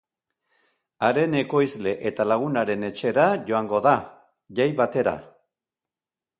Haren ekoizle eta lagunaren etxera joango da, jai batera.